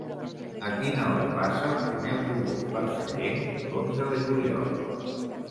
A quina hora passa el primer autobús per Sallent l'onze de juliol?